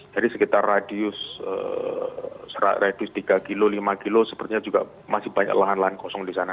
jadi sekitar radius tiga lima kilo sepertinya juga masih banyak lahan lahan kosong disana